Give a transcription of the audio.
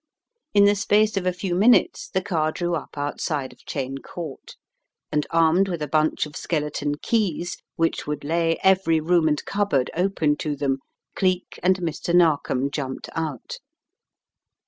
In the space of a few minutes the car drew up outside of Cheyne Court and armed with a bunch of skeleton keys which would lay every room and cupboard open to them, Cleek and Mr. Narkom jumped out.